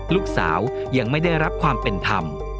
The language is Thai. ลูกสาวยังไม่ได้รับความเป็นธรรม